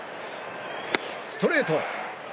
ストレート。